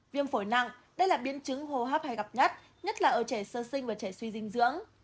viêm phổi nặng đây là biến chứng hô hấp hay gặp nhất nhất là ở trẻ sơ sinh và trẻ suy dinh dưỡng